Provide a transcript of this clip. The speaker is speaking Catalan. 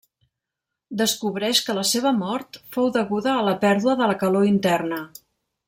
Descobreix que la seva mort fou deguda a la pèrdua de la calor interna.